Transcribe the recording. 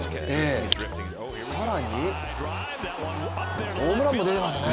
更にホームランも出てますね。